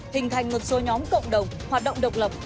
hình thành một số nhóm cộng đồng hoạt động độc lập